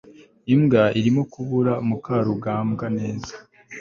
imbwa irimo kubura mukarugambwa neza